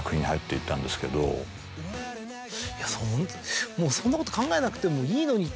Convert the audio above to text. いやホントもうそんなこと考えなくてもいいのにって